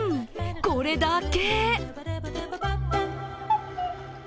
これだけ。